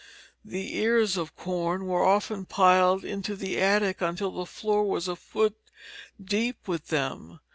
The ears of corn were often piled into the attic until the floor was a foot deep with them.